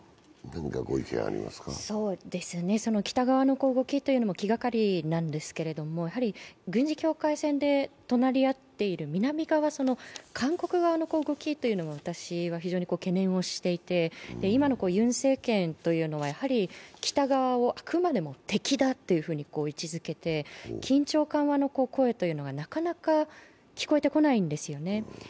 北側の動きも気がかりなんですけど、やはり軍事境界線で隣り合っている南側、韓国側の動きというのが私は非常に懸念をしていて今のユン政権というのは北側をあくまでも敵だっていうふうに位置づけて、緊張緩和の声がなかなか聞こえてこないんですよね。